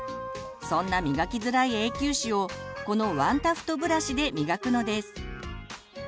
そんな磨きづらい永久歯をこのワンタフトブラシで磨くのです。